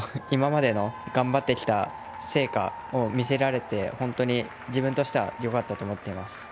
今までの頑張ってきた成果を見せられて本当に自分としてはよかったと思っています。